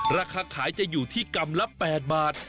ราคาขายจะอยู่ที่กรัมละ๘บาท